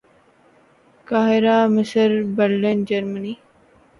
قاہرہ مصر برلن جرمنی